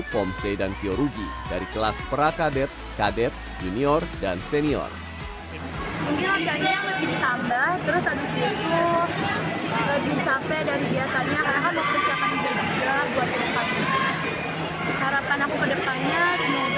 pomse dan fiorugi dari kelas pra kadet kadet junior dan senior mungkin adalah jahat lebih